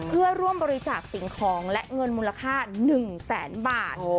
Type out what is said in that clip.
เพื่อร่วมบริจาคสิ่งของและเงินมูลค่า๑แสนบาท